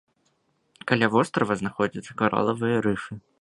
Каля вострава знаходзяцца каралавыя рыфы.